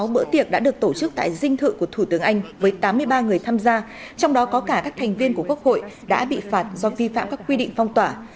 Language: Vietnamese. sáu bữa tiệc đã được tổ chức tại dinh thự của thủ tướng anh với tám mươi ba người tham gia trong đó có cả các thành viên của quốc hội đã bị phạt do vi phạm các quy định phong tỏa